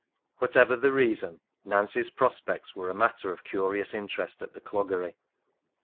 Whatever the reason, Nancy's prospects were a matter of curious interest at the cloggery.